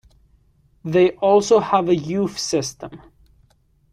They also have a youth system.